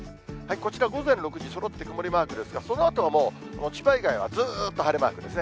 こちら、午前６時、そろって曇りマークですが、そのあとはもう、千葉以外はずっと晴れマークですね。